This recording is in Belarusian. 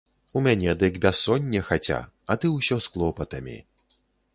У мяне дык бяссонне хаця, а ты ўсё з клопатамі.